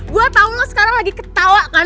gue tau lo sekarang lagi ketawa kan